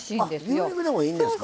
あ牛肉でもいいんですか。